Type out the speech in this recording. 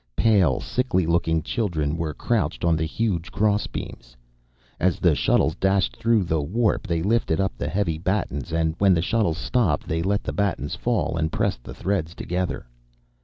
Pale, sickly looking children were crouched on the huge crossbeams. As the shuttles dashed through the warp they lifted up the heavy battens, and when the shuttles stopped they let the battens fall and pressed the threads together.